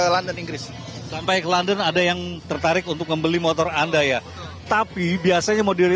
london inggris sampai ke london ada yang tertarik untuk membeli motor anda ya tapi biasanya mau dari